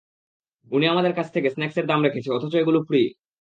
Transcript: উনি আমাদের কাছ থেকে স্ন্যাক্সের দাম রেখেছে, অথচ এগুলো ফ্রি!